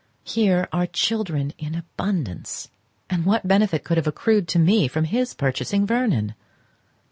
Here are children in abundance, and what benefit could have accrued to me from his purchasing Vernon?